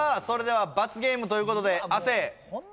それでは罰ゲームということで亜生！